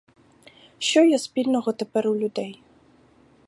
Що є спільного тепер у людей?